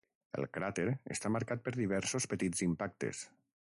El cràter està marcat per diversos petits impactes.